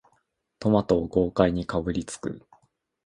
トマトを豪快にかぶりつく